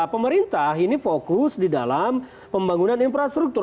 pemerintah ini fokus di dalam pembangunan infrastruktur